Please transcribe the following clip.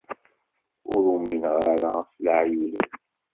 Ur umineɣ ara s leεyudat.